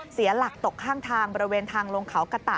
เสียหลักตกข้างทางบริเวณทางลงเขากะตะ